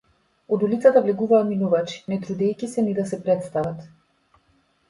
Од улицата влегуваа минувачи, не трудејќи се ни да се претстават.